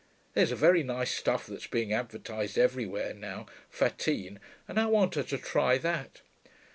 There's a very nice stuff that's being advertised everywhere now Fattine and I want her to try that.'